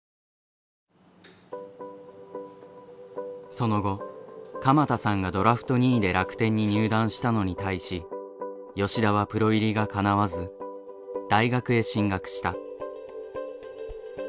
その後釜田さんがドラフト２位で楽天に入団したのに対し吉田はプロ入りがかなわず大学へ進学した。